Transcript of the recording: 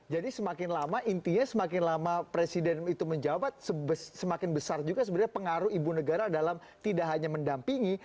jadi semakin lama intinya semakin lama presiden itu menjawab semakin besar juga sebenarnya pengaruh ibu negara dalam tidak hanya mendampingi